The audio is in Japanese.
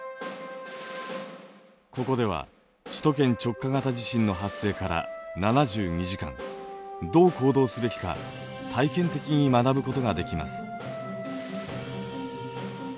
ここでは首都圏直下型地震の発生から７２時間どう行動すべきか体験的に学ぶことができます。